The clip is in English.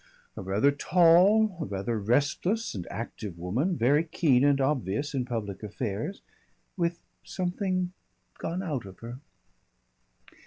A rather tall, a rather restless and active woman, very keen and obvious in public affairs with something gone out of her.